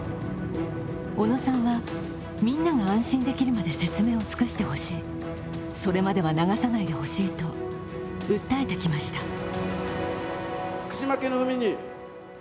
小野さんは、みんなが安心できるまで説明を尽くしてほしい、それまでは流さないでほしいと訴えてきました。